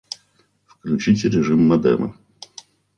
Включите режим модема